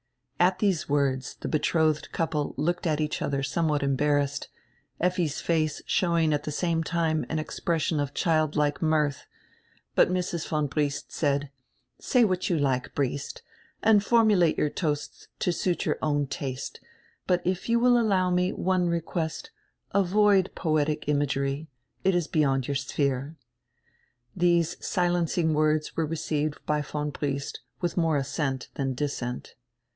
At diese words die betrodied couple looked at each odier somewhat embarrassed, Effi's face showing at die same time an expression of childlike mirth, but Mrs. von Briest said : "Say what you like, Briest, and formulate your toasts to suit your own taste, but if you will allow me one request, avoid poetic imagery; it is beyond your sphere." These silencing words were re ceived by von Briest with more assent dian dissent.